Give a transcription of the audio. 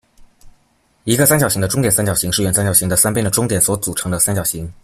一个三角形的中点三角形是原三角形的三边的中点所组成的三角形。